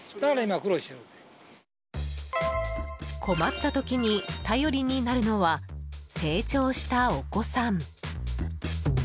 困った時に頼りになるのは成長したお子さん。